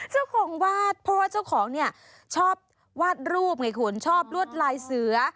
เจ้าของวาดเพราะว่าเจ้าของเนี่ยชอบวาดรูปไงคุณชอบลวดลายเสือ